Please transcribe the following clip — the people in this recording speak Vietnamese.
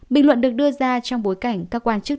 bình luận được đưa ra trong bối cảnh các quan chức